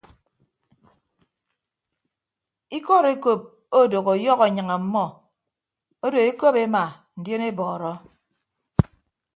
Ikọd ekop odooho ọyọhọ enyịñ ọmmọ odo ekop ema ndionebọọrọ.